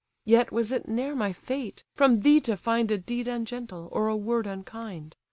Yet was it ne'er my fate, from thee to find A deed ungentle, or a word unkind.